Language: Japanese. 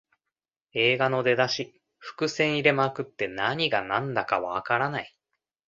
映画の出だし、伏線入れまくって何がなんだかわからない